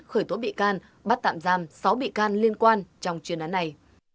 khởi tố bị can bắt tạm giam sáu bị can liên quan trong chuyên án này